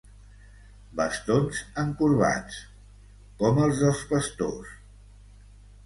Bastons encorbats, com els dels pastors.